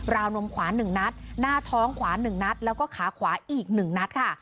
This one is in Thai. ราวนมขวานหนึ่งนัดหน้าท้องขวานหนึ่งนัดแล้วก็ขาขวาอีกหนึ่งนัดค่ะ